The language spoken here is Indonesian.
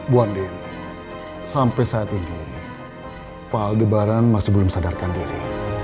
bu andien sampai saat ini pak aldebaran masih belum sadarkan diri